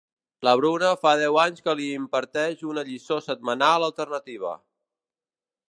La Bruna fa deu anys que li imparteix una lliçó setmanal alternativa.